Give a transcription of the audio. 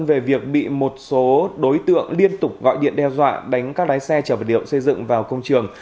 về việc bị một số đối tượng liên tục gọi điện đeo dọa đánh các lái xe trở về điệu xây dựng vào công trường